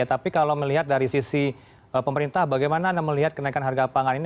tapi kalau melihat dari sisi pemerintah bagaimana anda melihat kenaikan harga pangan ini